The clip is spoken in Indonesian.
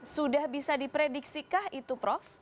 sudah bisa diprediksikah itu prof